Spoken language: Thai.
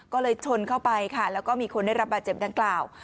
ก็เลยชนเข้าไปค่ะแล้วก็มีคนได้รับบาดเจ็บดังกล่าว